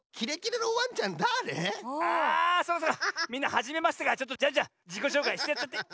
みんなはじめましてだからジャンジャンじこしょうかいしてやっちゃって。